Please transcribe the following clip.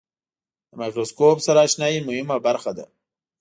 د مایکروسکوپ سره آشنایي مهمه برخه ده.